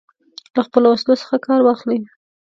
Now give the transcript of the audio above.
له خپلو وسلو څخه کار واخلي.